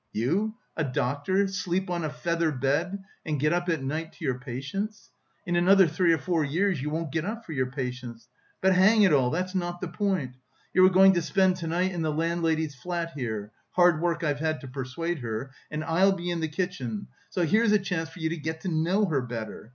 You a doctor sleep on a feather bed and get up at night to your patients! In another three or four years you won't get up for your patients... But hang it all, that's not the point!... You are going to spend to night in the landlady's flat here. (Hard work I've had to persuade her!) And I'll be in the kitchen. So here's a chance for you to get to know her better....